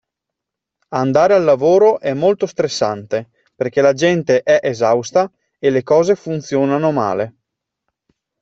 Andare al lavoro è molto stressante perché la gente è esausta e le cose funzionano male.